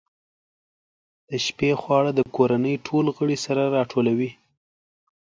د شپې خواړه د کورنۍ ټول غړي سره راټولوي.